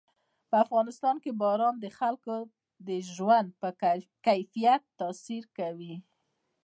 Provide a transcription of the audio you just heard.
په افغانستان کې باران د خلکو د ژوند په کیفیت تاثیر کوي.